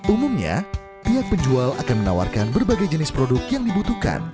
umumnya pihak penjual akan menawarkan berbagai jenis produk yang dibutuhkan